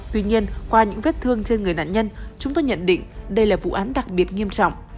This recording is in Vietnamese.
tuy nhiên qua những vết thương trên người nạn nhân chúng tôi nhận định đây là vụ án đặc biệt nghiêm trọng